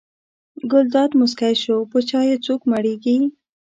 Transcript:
ګلداد موسکی شو: په چایو څوک مړېږي.